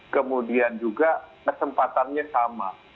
kemudian juga kesempatannya sama